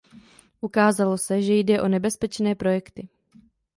Ukázalo se, že jde o nebezpečné projekty.